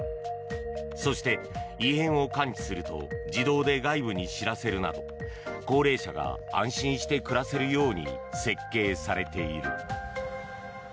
そして、異変を感知すると自動で外部に知らせるなど高齢者が安心して暮らせるように設計されている。